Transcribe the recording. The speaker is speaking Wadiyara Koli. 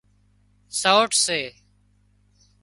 سئوٽ سي